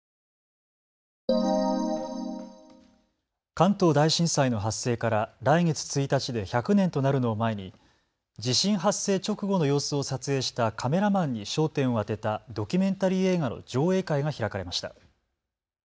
関東大震災の発生から来月１日で１００年となるのを前に地震発生直後の様子を撮影したカメラマンに焦点を当てたドキュメンタリー映画の上映会が開かれました。